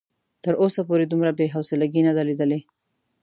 تر اوسه پورې دومره بې حوصلګي نه ده ليدلې.